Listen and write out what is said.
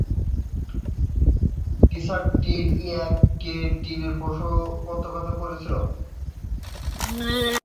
গির্জাটি ইয়র্কের ডিনের পৃষ্ঠপোষকতায় ছিল।